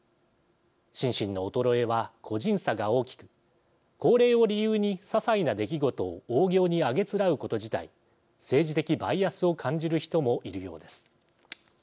心身の衰えは個人差が大きく高齢を理由にささいな出来事をおおぎょうにあげつらうこと自体政治的バイアスを感じる人もいるようです。